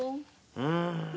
うん。